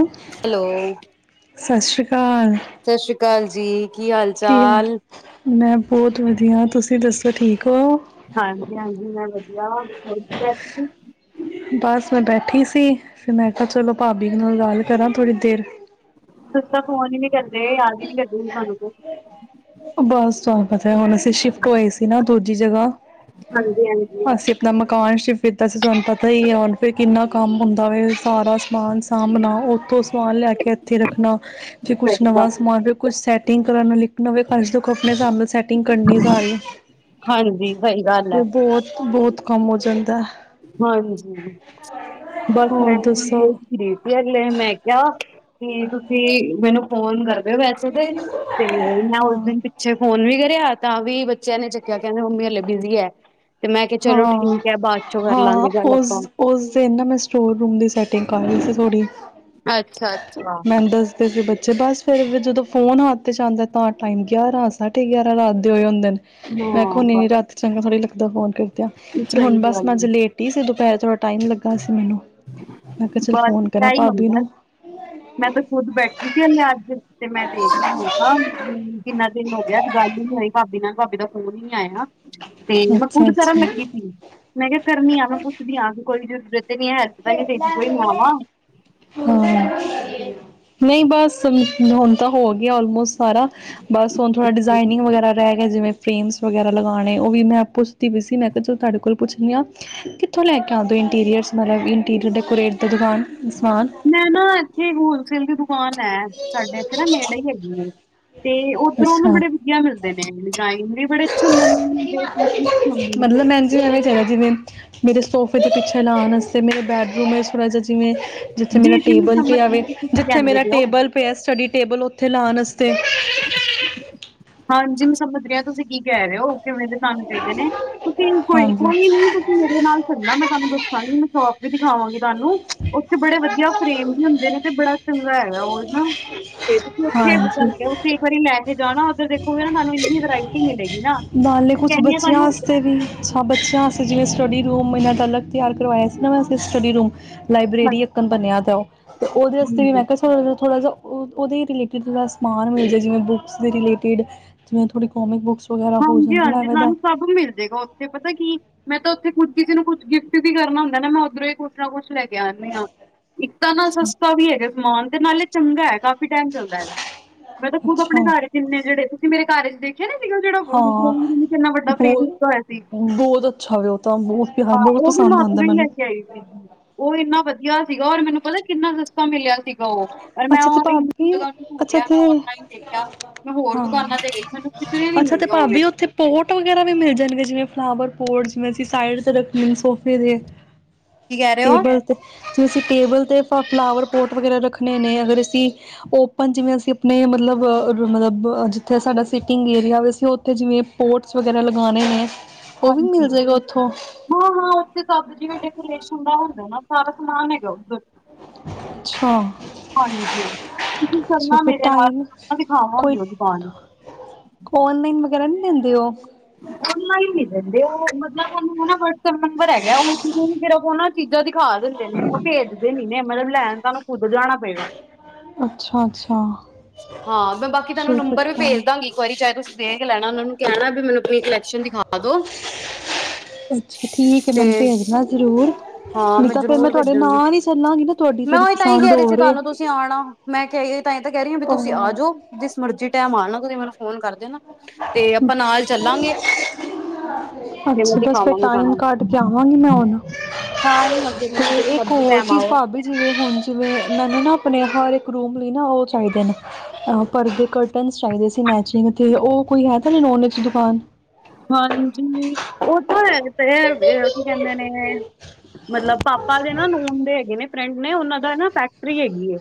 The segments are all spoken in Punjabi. ਹ ਹੈਲੋ [inaudible] ਸਤਿ ਸ਼੍ਰੀ ਅਕਾਲ। ਸਤਿ ਸ੍ਰੀ ਅਕਾਲ ਜੀ। ਕੀ ਹਾਲ ਚਾਲ ਮੈਂ ਬਹੁਤ ਵਧੀਆ, ਤੁਸੀਂ ਦੱਸੋ ਠੀਕ? ਹੋ ਹਾਂਜੀ -ਹਾਂਜੀ ਮੈਂ ਆ। ਹੋਰ? ਬਸ ਮੈਂ ਬੈਠੀ ਸੀ, ਫਿਰ ਮੈਂ ਕਿਹਾ ਚਲੋ ਭਾਬੀ ਨਾਲ ਗੱਲ ਕਰਾਂ ਥੋੜ੍ਹੀ ਦੇਰ ਤੁ ਤਾਂ ਫੋਨ ਹੀ ਨੀ ਕਰਦਾ। ਇਹ ਆਂਦੀ ਨ ਲ ਦ ਸਾਨੂੰ ਕੋ ਅੱਛਾ ਹੁਣ ਅਸੀਂ ਸ਼ਿਫਟ ਹੋਏ ਸੀ, ਨਾ ਦੂਜੀ ਜਗਾ ਹਾਂਜੀ ਹਾਂਜੀ ਅਸੀਂ ਆਪਣਾ ਮਕਾਨ ਸ਼ਿਫ ਕੀਤਾ ਸੀ ਤੁਾਨੂੰ ਪਤਾ ਹੀ ਆਉਣ ਫੇਰ ਕਿੰਨਾ ਕੰਮ ਹੁੰਦਾ ਵ, ਸਾਰਾ ਸਮਾਨ ਸਾਂਭਣਾ, ਉਓਥੋਂ ਸਮਾਨ ਲੈ ਕੇ ਇੱਥੇ ਰੱਖਣਾ ਸਹੀ ਗੱਲ ਨਵਾਜ਼ ਮਾ। ਕੁੱਛ ਸੈਟਿੰਗ ਕਰਨ ਨੂੰ ਲਿਖਣਾ ਹੋਵੇ। ਅੱਜ ਤੱਕ ਆਪਣੇ ਇਸਾਬ ਨਾਲ ਸੈਟਿੰਗ ਕਰਨੀ ਸ ਰਹੀ ਹਾਂਜੀ ਸਹੀ ਗੱਲ ਹੈ ਫ ਬਹੁਤ ਬਹੁਤ ਕਮ ਹੋਜਨ। ਹਾਂਜੀ ਬਸ ਹੋਰ ਦੱਸੋ ਮੈਂਰੀਤੀ ਅਗਲੇ ਮੈਂ ਕਿਹਾ ਤੇ ਤੁਸੀਂ ਮੈਨੂੰ ਫੋਨ ਕਰ। ਵੈਸੇ ਤੇ ਤੇ ਮੈਂ ਉਸ ਹਾਂ ਦਿਨ ਪਿੱਛੇ ਫੋਨ ਵੀ ਕਰਿਆ। ਤਾਂ ਵੀ ਬੱਚਿਆਂ ਨੇ ਚੱਕਿਆ ਕਹਿੰਦੇ ਮੰਮੀ ਹਲੇ ਬਿਜੀ ਹੈ। ਤੇ ਮੈਂ ਕਿਹਾ ਚਲੋ ਹਾਂ ਠੀਕ ਹੈ ਬਾਕੀ ਹਾਂ ਉਸ ਉਸ ਦਿਨ ਨਾ ਮੈਂ ਸਟੋਰ ਰੂਮ ਦੀ ਸੈਟਿੰਗ ਕਰ ਰਹੀ ਸੀ ਥੋੜ੍ਹੀ ਅੱਛਾ ਅੱਛਾ। ਮੈਨੂੰ ਦੱਸਦੇ ਸੀ ਬੱਚੇ ਬਸ ਫੇਿਰ ਵੀ ਜਦੋਂ ਫੋਨ ਹੱਦ ਤੇ ਜਾਂਦਾ ਤਾਂ ਟਾਈਮ ਗਿਆਰਾਂ ਸਾਢੇ ਗਿਆਰਾਂ ਲਤਦੇ ਹੋਏ ਹੁੰਦੇ ਨੇ ਮੈਂ ਕਿਹਾ ਨੀ ਹਾਂ ਨੀ ਰਾਤ ਚੰਗਾ ਥੋੜਾੀ ਲੱਗਦਾ ਫੋਨ ਕਰ। ਫ ਸਹੀ ਹੁਣ ਬਸ ਗੱਲ ਮੈਂ ਅੱਜ ਹੈ ਲੇਟ ਹੀਈ ਸੀ ਦੁਪਹਿਰ ਥੋੜ੍ਹਾ ਟਾਈਮ ਲੱਗਾ ਸੀ ਮੈਨੂੰ ਮੈਂ ਕਿਹਾ ਚੱਲ ਫੋਨ ਬਸ ਕਰਾਂ ਇਹੀ ਭਾਬੀ ਹੁੰਦਾ ਨੂੰ ਮੈਂ ਤੇ ਖੁੱਦ ਬੈਠੀ ਸੀਨੇ ਅੱਜ ਤੇ ਮੈਂ ਦੇਖਦੀ ਮੌਕਾ ਕਿੰਨਾ ਚਨ ਅੱਜ ਗੱਲ ਨੀ ਹੋਈ ਭਾਬੀ ਨਾਲ ਭਾਬੀ ਦਾ ਫੋਨ ਹੀ ਨੀ ਆਇਆ। ਤੇ ਮੈਂ ਅੱਛਾ ਖੁਦ ਕਰਨ ਅੱਛਾ ਲੱਗੀ ਸੀ ਮੈਂ ਕਿਹਾ ਕਰਨੀ ਆ ਮੈਂ ਪੁੱਛਦੀ ਆ ਕੋਲ ਜ [unintelligible] ਨਹੀਂ ਬਸ ਹੁਣ ਤਾਂ ਹੋ ਗਿਆ ਆਲਮੋਸਟ। ਸਾਰਾ ਬਸ ਹੁਣ ਥੋੜ੍ਹਾ ਡਿਜ਼ਾਇਨਿੰਗ ਵਗੈਰਾ ਰਹਿ ਗਿਆ ਏ ਜਿਵੇਂ ਫਰੇਮਸ ਵਗੈਰਾ ਲਗਾਉਣੇ ਉਹ ਵੀ ਮੈਂ ਪੁੱਛਦੀ ਪਈ ਸੀ, ਮੈਂ ਕਿਹਾ ਚਲੋਂ ਤੁਹਾਡੇ ਕੋਲ ਪੁੱਛਦੀ ਹਾਂ ਕਿੱਥੋਂ ਲੈ ਕੇ ਆਉਂਦੇ ਇੰਟੀਰੀਅਰਸ। ਮਤਲਬ ਇੰਟੀਰੀਅਰ ਡੈਕੋਰੇਟ ਦਾ ਸਮਾਨ ਮੈਂ ਨਾ ਇੱਥੇ ਹੋਲਸੇਲ ਦੀ ਦੁ ਕਾਨ ਹੈ ਸਾਡੇ ਇੱਥੇ ਨਾ ਨੇੜੇ ਹੀ ਹੈਗੀ ਏ। ਤੇ ਉੱਧਰੋਂ ਨਾ ਅੱਛਾ ਬੜੇ ਵਧੀਆ ਮਿਲਦੇ ਨੇ। [unintelligible] ਬੜੇ ਅੱਛੇ [unintelligible] ਹੈ ਜਿਵੇਂ ਮੇਰੇ ਸੋਫੇ ਦੇ ਪਿੱਛੇ ਲਾਉਣ ਵਾਸਤੇ, ਮੇਰੇ ਬੈਡਰੂਮ ਹੈ ਥੋਰਾ ਜਿਹਾ ਜਿਵੇਂ ਜਿੱਥੇ ਮੇਰਾ ਜੀ ਜੀ ਮੈਂ ਟੇਬਲ ਸਮਝ ਪਿਆ ਨਹੀਂ ਵੇ ਤੁਸੀਂ ਕੀ ਜਿੱਥੇ ਕਹਿੰਦੇ ਮੇਰਾ ਪਏ ਹੋ ਟੇਬਲ ਪਿਆ ਸਟੱਡੀ ਟੇਬਲ ਉੱਥੇ ਲਾਉਣ ਵਾਸਤੇ। [inaudible] ਹਾਂਜੀ ਮੈ ਸਮਝ ਗੀ ਐ ਤੁਸੀਂ ਕੀ ਕਹਿ ਰਹੇ ਹੋ ਕਿਵੇਂ ਦੇ ਤਾਨੂੰ ਚਾਹੀਦੇ ਨੇ, ਤੁਸੀਂ ਹਾਂਜੀ ਕੋ-ਕੋਈ ਨੀ ਤੁਸੀਂ ਮੇਰੇ ਨਾਲ ਚੱਲਣਾ ਮੈਂ ਤੁਹਾਨੂੰ ਦੱਸਾਂਗੀ ਮੈ ਸੋ਼ਪ ਵੀ ਦਿਖਾਵਾਂਗੀ। ਤਾਨੂੰ ਉੱਥੇ ਬੜੇ ਵਧੀਆ ਫਰੇਮ ਵੀ ਹੁੰਦੇ ਨੇ, ਤੇ ਬੜਾ ਚੰਗਾ ਹੈਗਾ ਉਹ ਹਨਾ ਤੇ ਤੁਸੀਂ ਉੱਥੇ ਬੁੱਕ ਕਰ ਲਿਔ, ਹਾਂਜੀ ਤੁਸੀ ਇੱਕ ਵਾਰੀ ਲੈ ਕੇ ਜਾਣਾ ਉੱਧਰ ਦੇਖੋਗੇ ਨਾ ਤੁਹਾਨੂੰ ਇੰਨੀ ਵੈਰਾਈਟੀ ਮਿਲੇਗੀ ਨਾ ਨਾਲੇ ਮੈਂ ਕੁਛ ਕਹਿੰਦੀ ਹਾਂ ਬੱਚਿਆਂ ਤੁਹਾਨੂੰ ਵੀ, ਅੱਛਾ ਬੱਚਿਆਂ ਵਾਸਤੇ ਜਿਵੇਂ ਸਟੱਡੀ ਰੂਮ ਇਹਨਾਂ ਦਾ ਅਲੱਗ ਤਿਆਰ ਕਰਵਾਇਆ ਸੀ ਨਾ ਵੈਸੇ ਸਟੱਡੀ ਰੂਮ। ਹਾਂਜੀ ਲਾਈਬ੍ਰੇਰੀ ਅਕੱਣ ਬਣਿਆ ਤਾਂ ਉਹ ਤੇ ਉਹਦੇ ਵਸਤੇ ਵੀ ਮੈਂ ਕਿਹਾ ਥੋੜ੍ਹਾ ਜਿਹਾ ਉਹਦੇ ਰਿਲੇਟਿਡ ਥੋੜ੍ਹਾ ਸਮਾਨ ਮਿਲ ਜਾਵੇ ਜਿਵੇਂ ਬੁੱਕਸ ਦੇ ਰਿਲੇਟਿਡ ਜਿਵੇਂ ਥੋੜੀ ਕੋਮਿਕ ਬੁੱਕਸ ਵਗੈਰਾ ਹੋ ਜਾਣ ਥੋੜਾ ਹਾਂਜੀ-ਹਾਂਜੀ, ਐਵੇਂ ਦਾ ਤਾਨੂੰ ਸਭ ਮਿਲ ਜੇਗਾ ਉੱਥੇ ਪਤਾ ਕਿ ਮੈਂ ਤਾਂ ਉੱਥੇ ਕੁੱਝ ਕਿਸੇ ਨੂੰ ਕੁੱਛ ਗਿਫਟ ਵੀ ਕਰਨਾ ਹੁੰਦਾ ਏ ਨਾ ਮੈਂ ਉੱਧਰੋਂ ਹੀ ਕੁੱਛ ਨਾ ਕੁੱਛ ਲੈ ਕੇ ਲੈ ਕੇ ਆਣੀ ਆਂ, ਇੱਕ ਤਾਂ ਨਾ ਅੱਛਾ ਸਸਤਾ ਵੀ ਹੈਗਾ ਸਮਾਨ ਤੇ ਨਾਲੇ ਚੰਗਾ ਹੈ ਕਾਫ਼ੀ ਟਾਈਮ ਚੱਲਦਾ ਹੈਗਾ ਮੈਂ ਤਾਂ ਖੁਦ ਅੱਛਾ ਆਪਣੇ ਘਰ ਕਿੰਨੇ ਜਿਹੜੇ ਤੁਸੀਂ ਮੇਰੇ ਘਰ ਚ ਦੇਖੇ ਨੇ ਹਾਂ ਲੱਗਾ ਹੋਇਆ ਸੀ ਬਹੁਤ-ਬਹੁਤ ਅੱਛਾ ਵੇ ਉਹ ਤਾਂ, ਬਹੁਤ ਪਿਆਰ ਹਾਂ ਬਹੁਤ ਉਹ ਵੀ ਮੈ ਪਸੰਦ ਆਉਂਦਾ ਔਧਰੋਂ ਹੀ ਲੈ ਮੈਨੂੰ ਕੇ ਆਈ ਸੀ, ਉਹ ਇੰਨਾ ਵਧੀਆ ਸੀਗਾ ਔਰ ਮੈਨੂੰ ਪਤਾ ਕਿੰਨਾ ਸਸਤਾ ਮਿਲਿਆ ਸੀ। ਅੱਛਾ ਤੇ ਭਾਬੀ ਅੱਛਾ ਢੂੰਡਿਆ ਤੇ ਮੈਂ ਔਨਲਾਈਨ ਦੇਖਿਆ ਮੈਂ ਹੋਰ ਹਾਂ ਦੁਕਾਨਾਂ ਤੇ ਗਈ ਮੈਨੂੰ ਕਿਧਰੇ ਨੀ ਅੱਛਾ ਤੇ ਮਿਲਿਆ ਉਵੇਂ ਭਾਬੀ ਦਾ ਉੱਥੇ ਪੋਟ ਵਗੈਰਾ ਵੀ ਮਿਲ ਜਾਣਗੇ ਜਿਵੇਂ ਫਲਾਵਰ ਪੋਟਸ ਨੂੰ ਅਸੀਂ ਸਾਈਡ ਤੇ ਰੱਖਣੇ ਨੇ ਸੋਫੇ ਦੇ। ਕੀ ਕਹਿ ਰਹੇ ਹੋ? ਟੇਬਲ ਤੇ ਜੇ ਅਸੀਂ ਟੇਬਲ ਤੇ ਫਲਾਵਰ ਪੋਟ ਵਗੈਰਾ ਰੱਖ ਰੱਖਣੇ ਨੇ ਅਗਰ ਅਸੀਂ ਔਪਨ ਜਿਵੇਂ ਅਸੀਂ ਆਪਣੇ ਮਤਲਬ-ਮਤਲਬ ਜਿੱਥੇ ਸਾਡਾ ਸਿਟਿੰਗ ਏਰੀਆ ਵੇ, ਉੱਥੇ ਜਿਵੇਂ ਪੋਟਸ ਵਗੈਰਾ ਲਗਾਉਣੇ ਨੇ ਉਹ ਵੀ ਮਿਲ ਹਾਂਜੀ ਜਾਏਗਾ ਉੱਥੋਂ ਹਾਂ-ਹਾਂ ਉੱਥੇ ਸਬਜ਼ ਡੈਕੋਰੇਸ਼ਨ ਦਾ ਹੁੰਦਾ ਨਾ। ਸਾਰਾ ਸਮਾਨ ਹੈਗਾ ਉਧਰ, ਹਾਂਜੀ ਤੁਸੀਂ ਅੱਛਾ-ਅੱਛਾ ਚੱਲਣਾ ਫਿਰ ਮੇਰੇ ਨਾਲ ਟਾਈਮ ਮੈਂ ਕੋਈ ਦਿਖਾਵਾਂਗੀ ਉਹ ਦੁਕਾਨ ਕਾਲ ਵਗੈਰਾ ਨੀ, ਦਿੰਦੇ ਉਹ, ਔਨਲਾਈਨ ਨੀ ਦਿੰਦੇ ਉਹ ਮਤਲਬ ਤੁਹਾਨੂੰ ਵਟਸਐਪ ਨੰਬਰ ਹੈਗਾ ਫਿਰ ਉਹ ਨਾ, ਚੀਜ਼ਾਂ ਦਿਖਾ ਦਿੰਦੇ ਨੇ ਉਹ ਭੇਜਦੇ ਨੀ ਨੇ ਮਤਲਬ ਲੈਣ ਤਾਂ ਉਧਰ ਜਾਣਾ ਪਏਗਾ। ਅੱਛਾ ਅੱਛਾ ਹਾਂ ਮੈਂ ਬਾਕੀ ਤੁਹਾਨੂੰ ਚਲੋ ਫਿਰ ਨੰਬਰ ਵੀ ਟਾਈਮ ਭੇਜ ਦਾਂਗੀ ਇੱਕ ਵਾਰੀ ਚਾਹੇ ਤੁਸੀਂ ਦੇ ਲੈਣਾ ਉਹਨਾਂ ਨੂੰ ਕਹਿਣਾ ਵੀ ਮੇ ਕੁਲੈਕਸ਼ਨ ਦਿਖਾ ਦੋ ਅੱਛਾ ਠੀਕ ਹੈ ਤੇ ਮੈਨੂੰ ਭੇਜਣਾ ਜ਼ਰੂਰ ਹਾਂ ਨਹੀਂ ਮੈਂ ਤਾਂ ਫਿਰ ਜ਼ਰੂਰ ਤੁਹਾਡੇ ਭੇਜਾਂਗੀ ਨਾਲ ਹੀ ਚੱਲਾਂਗੀ ਨਾ ਤੁਹਾਡੀ ਮੈਂ ਥੋੜੀ ਉਹੀ ਤਾਂ ਹੀ ਪਸੰਦ ਕਹਿ ਰਹੀ ਸੀ ਹੋਰ ਏ ਤੁਹਾਨੂੰ ਤੁਸੀਂ ਆਣਾ ਮੈਂ ਕਿਹ [unintelligible] ਤਾਂ ਇਹ ਤਾਂ ਕਹਿ ਰਹੀ ਹਾਂ ਵੀ ਤੁਸੀਂ ਆਜੋ, ਜਿਸ ਮਰਜ਼ੀ ਟੈਮ ਆਣਾ [unintelligible] ਫੋਨ ਕਰ ਦੇਨਾ, ਤੇ ਅ ਆਪਾਂ ਨਾਲ ਚੱਲਾਂਗੇ। ਤੇ ਮੈਂ ਅੱਛਾ, ਬਸ ਫਿਰ ਦਿਖਾਵਾਂਗੀ ਟਾਈਮ ਤੁਹਾਨੂੰ। ਕੱਢ ਕੇ ਆਵਾਂਗੀ ਮੈਂ ਹੁਣ। ਹਾਂ ਹਾਂ ਜ਼ਰੂਰ ਤੇ ਜਿਸ ਇੱਕ ਮਰਜ਼ੀ ਹੋਰ ਟਾਈਮ ਆਓ ਚੀਜ਼ ਭਾਬੀ, ਜਿਵੇ ਹੁਣ ਜਿਵੇਂ ਮੈਨੂੰ ਨਾ ਆਪਣੇ ਹਰ ਇੱਕ ਰੂਮ ਲਈ ਨਾ ਉਹ ਚਾਹੀਦੇ ਨੇ, ਅਹ ਪਰਦੇ, ਕਰਟਨਸ ਚਾਹੀਦੇ ਸੀ ਮੈਚਿੰਗ, ਤੇ ਉਹ ਕੋਈ ਹੈ ਤੁਹਾਡੇ ਨੋਨ ਇੱਚ ਦੁਕਾਨ? ਹਾਂਜੀ, ਉਹ ਤਾਂ ਹੈ ਤੇ ਹੈ ਵੇ, ਕੀ ਕਹਿੰਦੇ ਨੇ? ਮਤਲਬ ਪਾਪਾ ਦੇ ਨਾ ਨੋਨ ਦੇ ਹੈਗੇ ਨੇ ਫਰੈਂਡ, ਮੈਂ ਉਹਨਾਂ ਦਾ ਨਾ ਫੈਕਟਰੀ ਹੈਗੀ ਏ,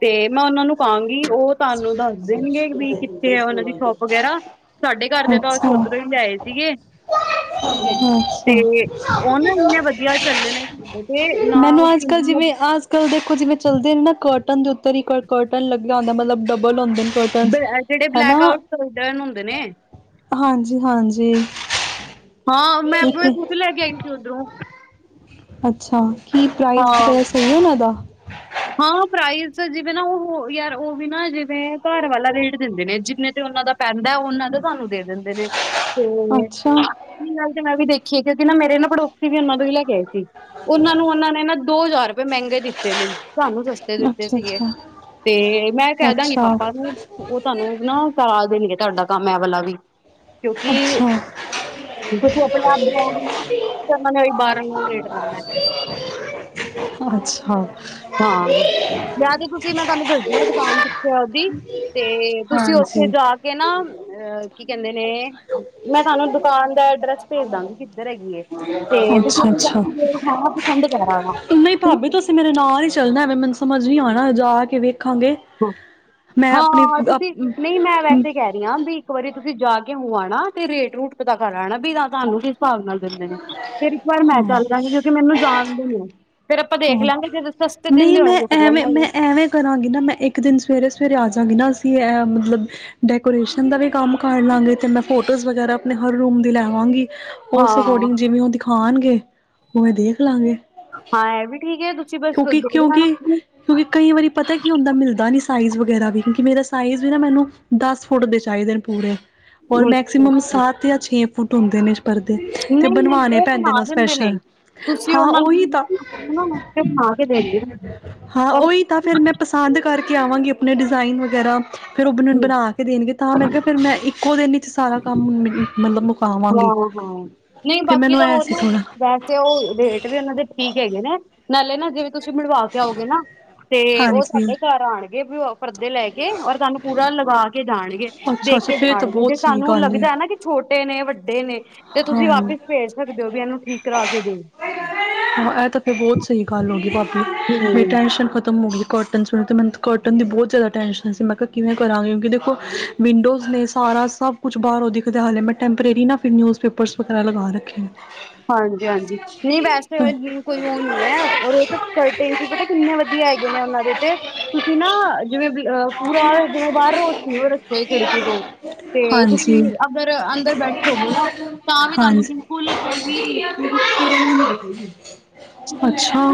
ਤੇ ਮੈਂ ਉਹਨਾਂ ਨੂੰ ਕਹਾਂਗੀ, ਉਹ ਤੁਹਾਨੂੰ ਦੱਸ ਦੇਣਗੇ। ਵੀ ਕਿੱਥੇ ਹੈ ਉਹਨਾਂ ਦੀ ਸ਼ੋਪ ਵਗੈਰਾ? ਸਾਡੇ ਘਰ ਦੇ ਤਾਂ ਅੱਛਾ ਲਿਆਏ ਸੀਗੇ ਅੱਛਾ, ਤੇ ਉਹ ਨਾ ਇੰਨੇ ਵਧੀਆ ਚੱਲੇ ਨੇ ਸਾਡੇ ਤੇ ਨਾ ਉਹ ਮੈਨੂੰ ਅੱਜ ਕਿ- ਕੱਲ ਮਤਲਬ ਜਿਵੇਂ ਅੱਜ ਕੱਲ ਦੇਖੋ ਜਿਵੇਂ ਚਲਦੇ ਨੇ ਨਾ ਕਰ ਕਰਟਨ ਦੇ ਉਤੇ ਵੀ ਇੱਕ ਹੋਰ ਕਰਟਨ ਲੱਗਿਆ ਹੁੰਦਾ, ਮਤਲਬ ਡਬਲ ਹੁੰਦੇ ਨੇ ਕਰਟਨਸ। ਬ- ਜਿਹੜੇ ਹਨਾ ਬਲੈਕ ਆਊਟ ਸਲਡਰਨ ਹੁੰਦੇ ਨੇ। ਹਾਂਜੀ ਹਾਂਜੀ। ਹਾਂ ਮੈਂ ਇੱਕ ਆਪਣੇ ਖੁਦ ਲੈਕੇ ਆਈ ਸੀ ਓਧਰੋ। ਅੱਛਾ। ਕੀ ਪ੍ਰਾਈਜ਼ ਹਾਂ ਵਗੈਰਾ ਸਹੀ ਉਨਾ ਦਾ? ਹਾਂ ਪ੍ਰਾਈਜ਼ ਜਿਵੇਂ ਨਾ, ਉਹ ਹੋ ਯਾਰ ਉਹ ਵੀ ਨਾ ਜਿਵੇਂ ਘਰ ਵਾਲਾ ਰੇਟ ਦਿੰਦੇ ਨੇ ਜਿੰਨੇ ਤੇ ਉਹਨਾਂ ਦਾ ਪੈਂਦਾ ਏ, ਉਹਨਾਂ ਦਾ ਤੁਹਾਨੂੰ ਦੇ ਦਿੰਦੇ ਨੇ, ਤੇ ਏਹ ਅੱਛਾ ਵੀ ਗੱਲ ਤੇ ਮੈਂ ਵੀ ਦੇਖ ਠੀਕ ਹੈ ਤੇ ਨਾ ਮੇਰੇ ਨਾ ਪੜੋਸੀ ਵੀ ਉਹਨਾਂ ਤੋਂ ਹੀ ਲੈਕੇ ਆਏ। ਠੀਕ, ਉਹਨਾਂ ਨੂੰ ਉਹਨਾਂ ਨੇ ਨਾ, ਦੋ ਹਜ਼ਾਰ ਰੁਪਏ ਮਹਿੰਗੇ ਦਿੱ ਦਿੱਤੇ ਨੇ, ਸਹਾਨੂੰ ਸਸਤੇ ਦਿੱਤੇ ਅੱਛਾ ਸੀਗੇ, ਅੱਛਾ ਤੇ ਮੈਂ ਕਹਿ ਦਾਂਗੀ ਅੱਛਾ ਪਾਪਾ ਨੂੰ, ਉਹ ਤੁਹਾਨੂੰ ਨਾ [unintelligible] ਦੇਣਗੇ। ਤੁਹਾਡਾ ਕੰਮ ਏਹ ਵਾਲਾ ਵੀ। ਕਿਉਂਕਿ ਅੱਛਾ ਤੁਸੀਂ ਆਪਣੇ ਆਪ ਜਾਓਗੇ ਨਾ, ਤੇ ਉਹਨਾਂ ਨੇ ਓਹੀ ਬਾਰ ਅੰਗੂ ਰੇਟ ਲਾਣਾ ਹੈ। ਅੱਛਾ ਹਾਂ ਯਾ ਤੇ ਤੁਸੀਂ ਮੈਂ ਤੁਹਾਨੂੰ ਦੱਸਦੀ ਹਾਂ ਦੁਕਾਨ ਕਿੱਥੇ ਐ ਓਹਦੀ? ਤੇ ਤੁਸੀਂ ਉੱਥੇ ਹਾਂਜੀ ਜਾ ਕੇ ਨਾ ਅਹ ਕੀ ਕਹਿੰਦੇ ਨੇ? ਮੈਂ ਤੁਹਾਨੂੰ ਦੁਕਾਨ ਦਾ ਐਡਰੈਸ ਭੇਜ ਦਾਂਗੀ। ਕਿਧਰ ਹੈਗੀ ਏ? ਤੇ ਅੱਛਾ ਤੁਸੀ ਅੱਛਾ ਉੱਥੇ [unintelligible] ਜਾਣਾ, ਪਸੰਦ ਕਰ ਆਨਾ। ਨਹੀਂ ਭਾਬੀ ਤੁਸੀਂ ਮੇਰੇ ਨਾਲ ਹੀ ਚੱਲਣਾ ਹੈ ਐਵੇਂ ਮੈਨੂੰ ਸਮਝ ਨੀ ਆਉਣਾ, ਜਾ ਕੇ ਵੇਖ ਹਾਂ-ਹਾਂ-ਹਾਂ ਤੁਸੀਂ ਨਹੀਂ ਮੈਂ ਵੈਸੇ ਹੀ ਕਹਿ ਰਹੀ ਹਾਂ, ਵੀ ਇੱਕ ਵਾਰੀ ਤੁਸੀਂ ਜਾ ਕੇ ਹੋ ਆਣਾ ਤੇ ਰੇਟ ਰੂਟ ਪਤਾ ਕਰ ਆਣਾ ਵੀ ਤਾਂ ਤੁਹਾਨੂੰ ਭਾਵ ਨਾਲ ਦਿੰਦੇ ਨੇ ਫਿਰ ਇੱਕ ਵਾਰ ਮੈਂ ਹਾਂ ਚੱਲ ਜਾਂਗੀ ਕਿਉਂਕਿ ਮੈਨੂੰ ਜਾਣਦੇ ਨਹੀਂ ਆ ਹਾਂ ਨਹੀਂ ਮੈਂ ਫਿਰ ਲੈ ਐਵੇਂ ਮੈਂ ਲਾਂਗੇ ਐਵੇਂ ਕਰਾਂਗੀ ਨਾ ਮੈਂ ਇੱਕ ਦਿਨ ਸਵੇਰੇ ਸਵੇਰੇ ਆ ਜਾਂਗੀ ਨਾ ਅਸੀਂ ਮਤਲਬ ਡੈਕੋਰੇਸ਼ਨ ਦਾ ਵੀ ਕੰਮ ਕਰ ਲਵਾਂਗੇ ਅਤੇ ਮੈਂ ਫੋਟੋਜ਼ ਵਗੈਰਾ ਆਪਣੇ ਹਰ ਰੂਮ ਦੀ ਲੈ ਆਵਾਂਗੀ ਉਸ ਹਾਂ ਅਕੋਰਡਿੰਗ ਜਿਵੇਂ ਔ ਖਾਣਗੇ ਉਵੇਂ ਦੇਖਲਾਂਗੇ। ਹਾਂ ਇਹ ਵੀ ਠੀਕ ਹੈ ਤੁਸੀਂ ਬਸ ਕਿਉਂਕਿ ਦੇਖ ਕਿਉਂਕਿ ਲੈਣਾ ਕਿਉਂਕਿ ਕਈ ਵਾਰੀ ਪਤਾ ਕੀ ਹੁੰਦਾ ਮਿਲਦਾ ਨਹੀਂ ਸਾਈਜ਼ ਵਗੈਰਾ ਵੀ ਕਿਉਂਕਿ ਮੇਰਾ ਸਾਈਜ਼ ਵੀ ਨਾ ਮੈਨੂੰ ਦਸ ਫੁੱਟ ਦੇ ਚਾਹੀਦੇ ਨੇ ਪੂਰੇ ਔਰ ਮੈਕਸੀਮਮ ਸੱਤ ਜਾਂ ਛੇ ਫੁੱਟ ਹੁੰਦੇ ਨੇ ਕਰਦੇ ਤੇ ਨਹੀਂ ਨਹੀਂ ਬਣਵਾਉਣੇ ਪੈਂਦੇ ਬਣਾ ਨੇ ਉਹ ਦਿੰਦੇ ਨੇ ਸਪੈਸ਼ਲ ਤੁਸੀਂ ਹਾਂ ਉਹਨਾਂ ਉਹ ਨੂੰ ਹੀ ਨਾ ਤਾਂ ਨਕਸ਼ੇ ਬਣਾ ਕੇ ਦੇਣਗੇ ਨਾ ਹਾਂ ਔਰ ਉਹੀ ਤਾਂ ਫੇਰ ਮੈਂ ਪਸੰਦ ਕਰਕੇ ਵੈ ਕੇ ਆਵਾਂਗੀ ਆਪਣੇ ਡਿਜ਼ਾਇਨ ਵਗੈਰਾ ਫੇਰ ਉਹ ਬਣਾ ਕੇ ਦੇਣਗੇ ਤਾਂ ਮੈਂ ਕਿਹਾ ਫੇਰ ਮੈਂ ਇੱਕੋ ਦਿਨ ਹੀ ਸਾਰਾ ਕੰਮ [unintelligible] ਮਤਲਬ ਹਾਂ ਮੁਕਾਵਾਂਗੀ ਹਾਂ, ਨਹੀਂ ਫਿਰ ਬਾਕੀ ਮੈਨੂੰ ਤਾਂ ਐ ਉਹ ਸੀ ਨਾ ਥੋੜਾ ਵੈਸੇ ਉਹ ਰੇਟ ਵੀ ਉਹਨਾਂ ਦੇ ਠੀਕ ਹੈਗੇ ਨੇ ਨਾਲੇ ਨਾ ਜਿਵੇਂ। ਤੁਸੀਂ ਮਿਲਵਾ ਕੇ ਆਓਗੇ ਨਾ ਤੇ ਉਹ ਹਾਂਜੀ ਤੁਹਾਡੇ ਘਰ ਆਣਗੇ ਵੀ ਪਰਦੇ ਲੈ ਕੇ ਔਰ ਤੁਹਾਨੂੰ ਪੂਰਾ ਲਗਾ ਕੇ ਕੇ ਜਾਣਗੇ ਅੱਛਾ ਦੇਖ ਅੱਛਾ ਕੇ ਫਿਰ ਤਾਂ ਜਾਣਗੇ ਜੇ ਬਹੁਤ ਸਹੀ ਸਾਨੂੰ ਗੱਲ ਲੱਗਦਾ ਹੈ ਨਾ ਕਿ ਛੋਟੇ ਨੇ ਦੇ ਨੇ। ਤੇ ਤੁਸੀਂ ਹਾਂ ਵਾਪਿਸ ਭੇਜ ਸਕਦੇ ਹੋ ਵੀ ਇਹਨੂੰ ਠੀਕ ਕਰਾ ਕੇ ਦਓ। ਹਾਂ, ਇਹ ਤਾਂ ਫੇਰ ਬਹੁਤ ਸਹੀ ਗੱਲ ਹੋ ਗਈ। ਮੇਰੀ ਹੂੰ ਟੈਨਸ਼ਨ ਖਤਮ ਹੋਗੀ। ਕੋਟਨ ਸੁਣ ਅਤੇ ਮੈਨੂੰ ਕੋਟਨ ਦੀ ਬਹੁਤ ਜ਼ਿਆਦਾ ਟੈਂਨਸ਼ਨ ਹੈ ਸੀ ਮੈਂ ਕਿਹਾ ਕਿਵੇਂ ਕਰਾਂਗੀ ਕਿਉਂਕਿ ਦੇਖੋ ਵਿੰਡੋਜ਼ ਨੇ ਸਾਰਾ ਸਭ ਕੁਛ ਬਾਹਰ ਉਹ ਦਿਖਦੇ ਹਾਲੇ ਮੈਂ ਟੈਂਪਰੇਰੀ ਨਾ ਫਿਰ ਨਿਊਜ਼ਪੇਪਰਸ ਵਗੈਰਾ ਲਗਾ ਰੱਖੇ ਨੇ ਹਾਂਜੀ ਹਾਂਜੀ ਨਹੀਂ ਵੈਸੇ। ਕੋਈ ਉਹ ਨੀ ਹੈ ਰ ਉਹ ਸਕਟ ਪਤਾ ਕਿੰਨੇ ਵਧੀਆ ਹੈਗੇ ਨੇ ਉਹਨਾਂ ਦੇ ਤੇ ਤੁਸੀਂ ਨਾ ਜਿਵੇਂ ਪੂਰਾ ਜਿਵੇਂ ਬਾਹਰ ਰੋਸ ਸੀ ਉਹ ਰੱਖੇ ਖਿੜਕੀ ਤੋਂ ਤੇ ਹਾਂਜੀ ਤੁਸੀਂ ਅਗਰ ਅੰਦਰ ਬੈਠ ਰਵੋ ਨਾ ਤਾਂ ਵੀ ਤੁਹਾਨੂੰ ਹਾਂਜੀ ਬਿਲਕੁਲ [unintelligible] ਅੱਛਾ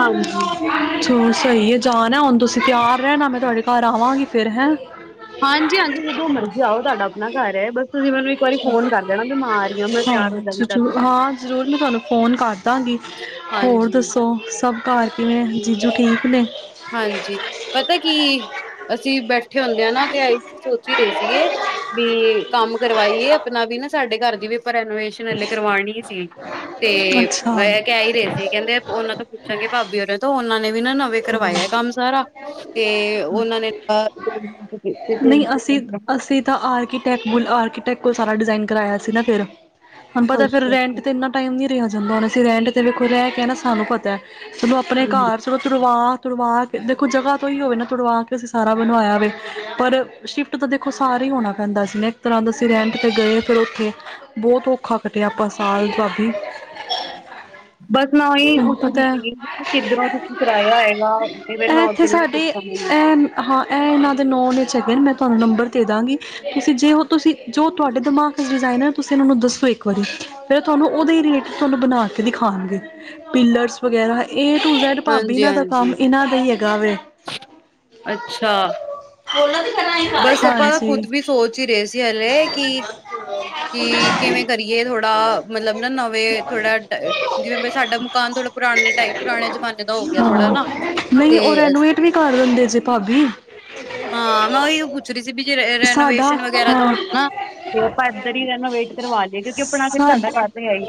ਹਾਂਜੀ ਚ। [unintelligible] ਸਹੀ ਹੈ ਜਾਣ ਹੁਣ ਤੁਸੀਂ ਤਿਆਰ ਰਹ ਨਾ ਮੈਂ ਤੁਹਾਡੇ ਘਰ ਆਵਾਂਗੀ ਫਿਰ ਹੈ। ਹਾਂਜੀ ਹਾਂਜੀ ਜਦੋਂ ਮਰਜ਼ੀ ਆਓ ਤੁਹਾਡਾ ਆਪਣਾ ਘਰ ਹੈ ਬਸ ਤੁਸੀਂ ਮੈਨੂੰ ਇ ਹਾਂ ਜਾਣੀ ਤਦ ਜਰ ਤੱਕ ਹਾਂ ਜ਼ਰੂਰ ਮੈਂ ਤੁਹਾਨੂੰ ਫੋਨ ਘੱਟ। [unintelligible] ਦਾਂ ਦਾਂਗੀ ਹੋਰ ਹਾਂਜੀ ਦੱਸੋ? ਸਭ ਘਰ ਕਿਵੇਂ ਜੀਜੂ ਠੀਕ ਨੇ? ਹਾਂਜੀ ਪਤਾ ਕੀ ਅਸੀਂ ਬੈਠ ਠੇ ਹੁੰਦੇ ਆ ਨਾ ਤੇ ਅ ਸੋਚ ਹੀ ਰਹੇ ਸੀਗੇ ਵੀ ਕੰਮ ਕਰਵਾਈਏ ਆਪਣਾ ਵੀ ਨਾ ਸਾਡੇ ਘਰ ਦੀ ਵੀ ਆਪਾਂ ਰੈਨੋਵੇਸ਼ਨ ਹਲੇ ਕਰਵਾਣੀ। ਸੀ ਤੇ ਅੱਛਾ ਕਹਿ ਹੀ ਰਹੇ ਸੀ ਕਹਿੰਦੇ ਉਹਨਾਂ ਤੋਂ ਪੁੱਛਾਂਗੇ ਭਾਬੀ ਹੋਰਾਂ ਤੋਂ ਉਹਨਾਂ [unintelligible] ਵੀਨਾਂ। ਹਾਂ ਕਰਵਾਇਆ ਕੰਮ ਸਾਰਾ। ਤੇ ਉਹਨਾਂ ਨੇ ਨਹੀਂ ਅਸੀਂ [unintelligible] ਕੋਈ ਸਾਰਾ ਡਿਜ਼ਾਇਨ ਕਰਵਾਇਆ ਸੀ ਨਾ ਫੇਰ। ਹ ਪਤਾ ਫੇਰ ਰੈਂਟ ਤੇ ਇੰਨਾ ਟਾਈਮ ਨੀ ਤੇ ਆ ਜਾਂਦਾ ਹੁਣ ਅਸੀਂ ਰਹਿਿੰਟ ਤੇ ਵਖ ਰਹਿ ਕੇ ਆ ਨਾ ਸਾਨੂੰ ਪਤਾ ਐ ਸਗੋਂ ਆਪਣੇ ਘਰ ਸਗੋਂ ਤੁਰਵਾ ਤੁਰਵਾ ਕੇ ਦੇਖੋ ਜਗ੍ਹਾ। ਹੀ ਹੋਵੇ ਨਾ ਤੜਵਾ ਕੇ ਅਸੀਂ ਸਾਰਾ ਬਣਵਾਇਆ ਵੇ ਪਰ ਸ਼ਿਫਟ ਤਾਂ ਦੇਖੋ ਸਾਰਾ ਹੀ ਹੋਣਾ ਪੈਂਦਾ ਸੀ ਨਾ ਇੱਕ ਤਰ੍ਹਾਂ ਦਾ ਅਸੀਂ ਰੈਂਟ ਤੇ ਗਏ ਫਿਰ ਉੱਥੇ ਬਹੁਤ ਔਖਾ ਕੱਟਿਆ ਆਪਾਂ ਸਾਲ ਭਾਬੀ ਬਸ ਮੈਂ ਉਹੀ ਤੁਹਾਨੂੰ ਪੁੱਛਣੀ ਪਤਾ ਸੀਗੀ ਕਿੱਧਰੋਂ ਤੁਸੀਂ ਕਰਾਇਆ ਹੈਏਗਾ ਤੇ ਫ ਇਹ ਮੈਂ ਇੱਥੇ ਉਓਧਰੋਂ ਹੀ ਸਾਡੇ ਪੁੱਛਾਂ। ਅੱਛਾ ਫ [unintelligible] ਮੈਂ ਤੁਹਾਨੂੰ ਨੰਬਰ ਦੇ ਦਾਂਗੀ ਤੁਸੀਂ ਜੇ ਉਹ ਤੁਸੀਂ ਜੋ ਤੁਹਾਡੇ ਦਿਮਾਗ 'ਚ ਡਿਜ਼ਾਇਨ ਹੈ ਤੁਸੀਂ ਇਹਨਾਂ ਨੂੰ ਦੱਸੋ ਇੱਕ ਵਾਰੀ ਫਿਰ ਤੁਹਾਨੂੰ ਉਹਦੇ ਹੀ ਰਿਲੇਟਿਡ ਤੁਹਾਨੂੰ ਬਣਾ ਕੇ ਦਿਖਾਣਗੇ ਪੀਲਰਸ ਵਗੈਰਾ ਏ ਟੂ ਜੈਡ ਭਾਬੀ ਇਹਨਾਂ ਦਾ ਕੰਮ ਹਾਂਜੀ-ਹਾਂਜੀ, ਇਹਨਾਂ ਦਾ ਹੀ ਹੈ ਅੱਛਾ ਬਸ ਆਪਾਂ ਹਾਂਜੀ ਖੁਦ ਵੀ ਸੋਚ ਹੀ ਰਹੇ ਸੀ ਹਲੇ ਕਿ ਕੀ ਕਿਵੇਂ ਕਰੀਏ ਥੋੜਾ ਮਲਬ ਨਾ ਨਵੇਂ ਥੋੜਾ ਟ ਜਿਵੇਂ ਪ ਸਾਡਾ ਮਕਾਨ ਥੋੜਾ ਪੁਰਾਣੇ ਟਾਈਪ ਪੁਰਾਣੇ ਜਮਾਨੇ ਦਾ ਹੋ ਗਿਆ ਥੋੜਾ ਹਾਂ ਨਾ ਤੇ ਨਹੀਂ ਉਹ ਰੈਨੋਵੇਟ ਵੀ ਕਰ ਦਿੰਦੇ ਜੇ ਭਾਬੀ ਹਾਂ ਮੈਂ ਉਹੀਓ ਪੁੱਛ ਰਹੀ ਸੀ ਵੀ ਜੇ ਸਾਡਾ ਰੈਨੋਵੇਸ਼ਨ ਵਗੈਰਾ ਦਾ ਹਾਂ ਹੋ ਨਾ ਤੇ ਆਪਾਂ ਇਏਧਰ ਹੀ ਰੈਨੋਵੇਟ ਕਰਵਾ ਲਏ ਕਿਉਂਕਿ ਆਪਣਾ ਫਿਰ ਸਾਡਾ ਸਾਡ ਘ ਤਾਂ ਹੈ ਹੀ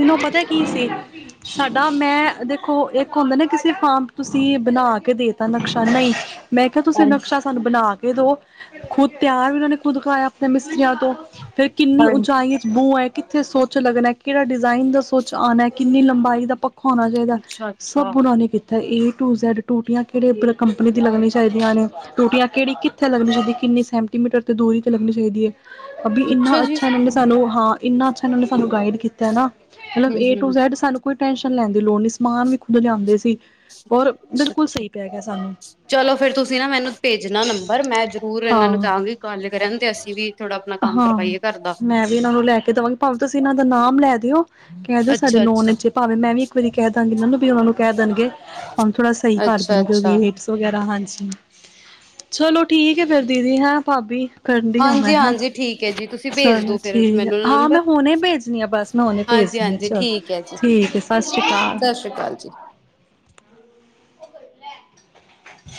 ਤਨੂੰ ਪਤਾ ਕੀ ਸੀ ਸਾਡਾ ਮੈਂ ਦੇਖੋ ਇੱਕ ਹੁੰਦਾ ਨਾ ਕਿਸੇ ਫਾਰਮ ਤੁਸੀਂ ਬਣਾ ਕੇ ਦੇਤਾ ਨਕਸ਼ਾ ਨਹੀਂ ਮੈਂ ਕਿਹਾ ਤੁਸੀਂ ਹਾਂਜੀ ਨਕਸ਼ਾ ਸਾਨੂੰ ਬਣਾ ਇਹ [unintelligible] ਦੋ ਖੁਦ ਤਿਆਰ ਵੀ ਉਹਨਾਂ ਨੇ ਖੁਦ ਖਾਇਆ ਆਪਣੇ ਮਿਸੀਆਂ ਤੋਂ ਫਿਰ ਕਿੰਨੀ ਹਾਂਜੀ। ਉਚਾਈਆਂ 'ਚ ਬੂੰ ਹੈ ਕਿੱਥੇ ਸੋਚ ਲੱਗਣਾ ਕਿਹੜਾ ਡਿਜ਼ਾਇਨ ਦਾ ਸੋਚ, ਆਉਣਾ ਕਿੰਨੀ ਲੰਬਾਈ ਦਾ ਪ ਹੋਣਾ ਚਾਹੀਦਾ। ਅੱਛਾ ਸਭ ਅੱਛਾ ਬੁਰਾ ਨੀ ਕੀਤਾ ਇੱਥ ਏ ਟੂ ਜੈਡ ਟੂਟੀਆਂ ਕਿਹੜੇ ਕੰਪਨੀ ਦੀ ਲੱਗਣੀ ਚਾਹੀਦੀਆਂ ਨੇ ਟੂਟੀਆਂ ਕਿਹੜੀ ਕਿੱਥੇ ਲੱਗਣੀ ਚਾਹੀਦੀ, ਕਿੰਨੀ ਸੈਂਟੀਮੀਟਰ ਤੋਂ ਦੂਰੀ ਤੇ ਲੱਗਣੀ ਚਾਹੀਦੀ ਏ। ਅਭੀ ਇੰਨਾ ਅੱਛਾ ਮ ਸਾਨੂੰ ਹਾਂ ਇੰਨਾ ਅੱਛਾ ਇਹਨਾਂ ਨੇ ਸਾਨੂੰ ਗਾਈਡ ਹੈ ਨਾ ਮਤਲਬ ਹਮ ਏ ਟੂ ਹਮ ਜੈਡ ਸਾਨੂੰ ਕੋਈ ਟੈਨਸ਼ਨ ਲੈਣ ਦੀ ਲੋੜ ਨੀ ਸੀ। ਸਮਾਨ ਵੀ ਖੁਦ ਲਿਆਉਂਦੇ ਸੀ। ਔਰ ਬਿਲਕੁਲ ਅੱਛਾ-ਅੱਛਾ, ਸਹੀ ਪੈ ਗਿਆ ਸਾਨੂੰ ਚਲੋ ਫਿਰ ਤੁਸੀਂ ਨਾ ਮੈਨੂੰ ਭੇਜਣਾ ਨੰਬਰ, ਮੈਂ ਜ਼ਰੂਰ ਇਹਨਾਂ ਨੂੰ ਹਾਂ ਜਾਵਾਂਗੀ ਗੱਲ ਕਰਨ ਤੇ ਅਸੀਂ ਵੀ ਥੋੜ੍ਹਾ ਆਪਣਾ ਕੰਮ ਹਾਂ ਕਰਵਾਈਏ ਘਰ ਦਾ ਮੈਂ ਕਹਿ ਦਿਓ, ਕਹਿ ਦਿਓ ਸਾਡੇ ਅੱਛਾ ਨੌਨ ਅੱਛਾ ਵਿੱਚ ਭਾਵੇਂ ਮੈਂ ਵੀ ਇੱਕ ਵਾਰੀ ਕਹਿ ਦਾਂਗੀ। ਮੈਨੂੰ ਵੀ ਉਹਨਾਂ ਨੂੰ ਕਹਿ ਦੇਣ ਗੈ ਹੁਣ ਥੋੜਾ ਸਹੀ ਕਰ ਅੱਛਾ ਦੇਣਗੇ ਉਹ ਅੱਛਾ ਰੇਟਸ ਵਗੈਰਾ, ਹਾਂਜੀ। ਚਲੋ, ਠੀਕ ਹੈ। ਫੇਰ ਦੀਦੀ ਹੈਂ, ਭਾਬੀ ਕਰਨੀ‌ ਆ ਹ ਹਾਂਜੀ-ਹਾਂਜੀ ਠੀਕ ਹੈ ਜੀ ਤੁਸੀਂ ਭੇਜ ਚਲੋ ਦੋ ਫਿਰ ਠੀਕ ਆ। ਮੈਨੂੰ ਹਾਂ ਨੰਬਰ ਮੈਂ ਹੁਣੇ ਭੇਜਣੀ ਆ ਬਸ ਹੁਣੇ ਭੇਜਦੀ ਆ ਹਾਂਜੀ-ਹਾਂਜੀ ਚਲੋ ਠੀਕ ਹੈ ਜੀ ਠੀਕ ਹੈ। ਸਤਿ ਸ੍ਰੀ ਅਕਾਲ। ਸਤਿ ਸ਼੍ਰੀ ਅਕਾਲ ਜੀ।